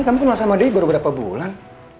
kamu kenal fahrie darutida beberapa bulan